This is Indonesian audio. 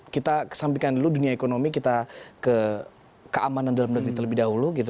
kita kesampingkan dulu dunia ekonomi kita ke keamanan dalam negeri terlebih dahulu gitu